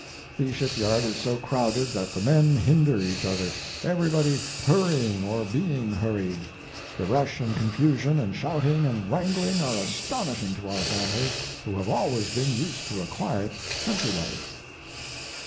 The shipyard is so crowded that the men hinder each other; everybody hurrying or being hurried; the rush and confusion and shouting and wrangling are astonishing to our family, who have always been used to a quiet, country life.